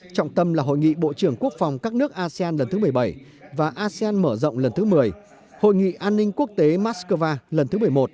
trọng tâm là hội nghị bộ trưởng quốc phòng các nước asean lần thứ một mươi bảy và asean mở rộng lần thứ một mươi hội nghị an ninh quốc tế moscow lần thứ một mươi một